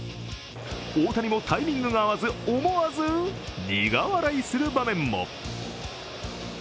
大谷もタイミングが合わず、思わず苦笑いする場面も。